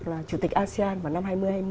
là chủ tịch asean vào năm hai nghìn hai mươi